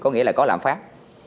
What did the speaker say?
có nghĩa là có lãm phát